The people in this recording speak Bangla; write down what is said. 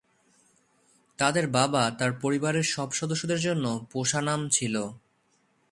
তাদের বাবা তার পরিবারের সব সদস্যদের জন্য পোষা নাম ছিল।